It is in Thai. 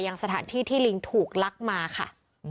ยังสถานที่ที่ลิงถูกลักมาค่ะ